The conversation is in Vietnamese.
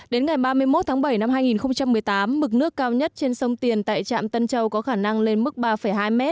đến ngày ba mươi một tháng bảy năm hai nghìn một mươi tám mực nước cao nhất trên sông tiền tại trạm tân châu có khả năng lên mức ba hai m